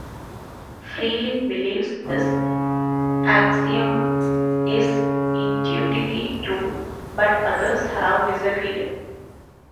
Freiling believes this axiom is "intuitively true" but others have disagreed.